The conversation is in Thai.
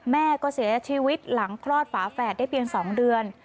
แม่ก็เสียชีวิตหลังคลอดฝาแฝดได้เพียง๒เดือน